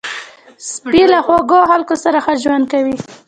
سپي له خوږو خلکو سره ښه ژوند کوي.